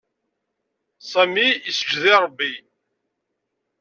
Sami yesǧed i Ṛebbi.